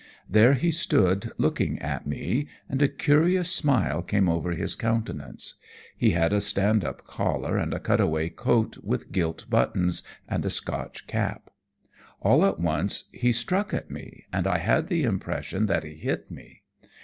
There he stood looking at me, and a curious smile came over his countenance. He had a stand up collar and a cut away coat with gilt buttons and a Scotch cap. All at once he struck at me, and I had the impression that he hit me.